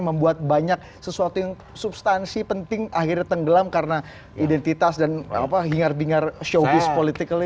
membuat banyak sesuatu yang substansi penting akhirnya tenggelam karena identitas dan hingar bingar showbiz politically